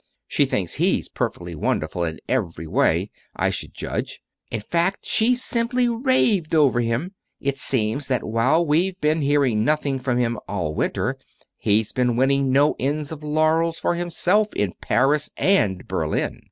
She thinks he's perfectly wonderful, in every way, I should judge. In fact, she simply raved over him. It seems that while we've been hearing nothing from him all winter, he's been winning no end of laurels for himself in Paris and Berlin.